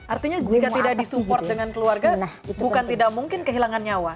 artinya jika tidak disupport dengan keluarga bukan tidak mungkin kehilangan nyawa